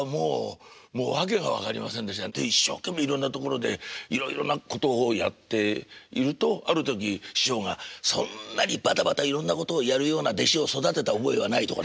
一生懸命いろんなところでいろいろなことをやっているとある時師匠が「そんなにバタバタいろんなことをやるような弟子を育てた覚えはない」とか。